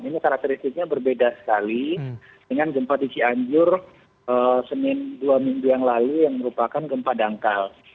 ini karakteristiknya berbeda sekali dengan gempa di cianjur dua minggu yang lalu yang merupakan gempa dangkal